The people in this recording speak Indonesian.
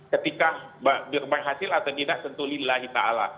ketika berhasil atau tidak tentu lillahi ta'ala